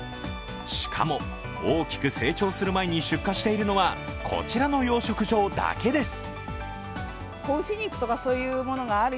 しかも、大きく成長する前に出荷しているのはこちらの養殖場だけです。